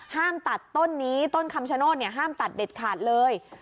ห้ามตัดต้นนี้ต้นคำชโนธห้ามตัดเด็ดขาดเลย